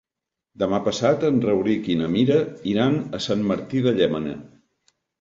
Demà passat en Rauric i na Mira iran a Sant Martí de Llémena.